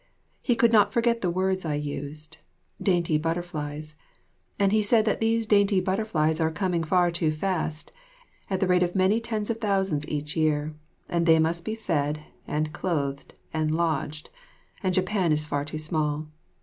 He could not forget the words I used, "Dainty Butterflies," and he said that these dainty butterflies are coming far too fast, at the rate of many tens of thousands each year, and they must be fed and clothed and lodged, and Japan is far too small.